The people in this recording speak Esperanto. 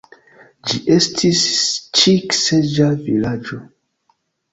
Ĝi estis ĉik-seĝa vilaĝo.